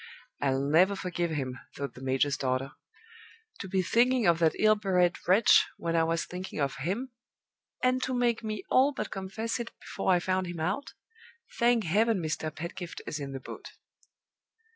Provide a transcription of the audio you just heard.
"I'll never forgive him," thought the major's daughter. "To be thinking of that ill bred wretch when I was thinking of him; and to make me all but confess it before I found him out! Thank Heaven, Mr. Pedgift is in the boat!"